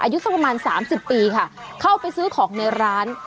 อายุสักประมาณสามสิบปีค่ะเข้าไปซื้อของในร้าน